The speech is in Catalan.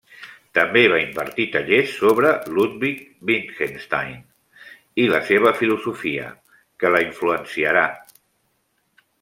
També va impartir tallers sobre Ludwig Wittgenstein i la seva filosofia, que la influenciarà.